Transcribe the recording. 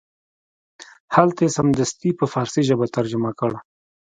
هلته یې سمدستي په فارسي ژبه ترجمه کړ.